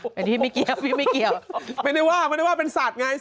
ก่อนที่ไม่เกียร์นะครับไม่ได้ว่าไม่ได้ว่าเป็นสัตว์ไง